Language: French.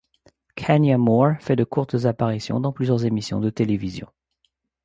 Kenya Moore fait de courtes apparitions dans plusieurs émissions de télévision.